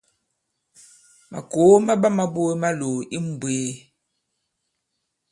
Màkòo ma ɓama buge malòò i mmbwēē.